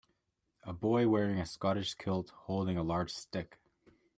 A boy wearing a Scottish kilt holding a large stick